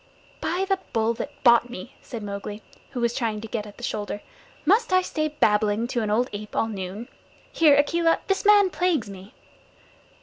"By the Bull that bought me," said Mowgli, who was trying to get at the shoulder, "must I stay babbling to an old ape all noon? Here, Akela, this man plagues me."